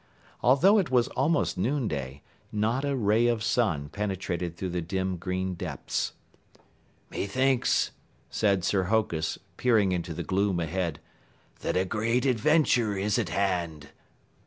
Although it was almost noonday, not a ray of sun penetrated through the dim green depths. "Methinks," said Sir Hokus, peering into the gloom ahead, "that a great adventure is at hand."